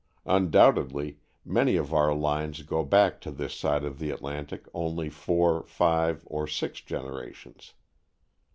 Undoubtedly many of our lines go back on this side of the Atlantic only four, five or six generations.